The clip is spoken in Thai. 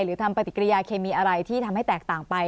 ทำปฏิกิริยาเคมีอะไรที่ทำให้แตกต่างไป